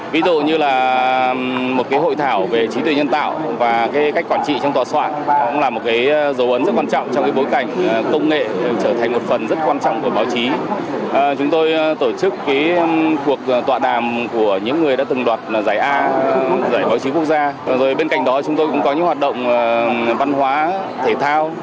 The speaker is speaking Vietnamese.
bên cạnh đó chúng tôi cũng có những hoạt động văn hóa thể thao